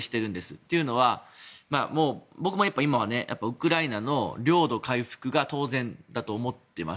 というのは、僕も今はウクライナの領土回復が当然だと思っています。